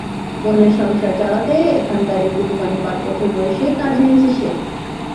বোনের সংসার চালাতে এখানকার একটি দোকানে পাঁচ বছর বয়সেই কাজ নিয়েছে সে।